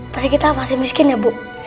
pasti kita masih miskin ya bu